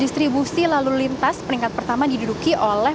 distribusi lalu lintas peringkat pertama diduduki oleh